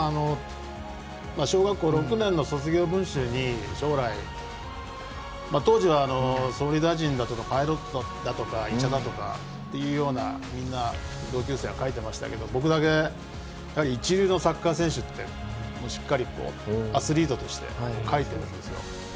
小学校６年の卒業文集に将来当時は総理大臣だとかパイロットだとか医者だとかってみんな同級生は書いてましたけど僕だけ一流のサッカー選手ってしっかりアスリートとして書いてるんですよ。